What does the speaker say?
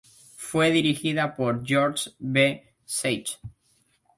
Fue dirigida por George B. Seitz.